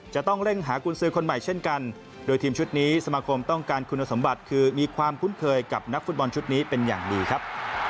จะต้องเร่งหากุญสือคนใหม่เช่นกันโดยทีมชุดนี้สมาคมต้องการคุณสมบัติคือมีความคุ้นเคยกับนักฟุตบอลชุดนี้เป็นอย่างดีครับ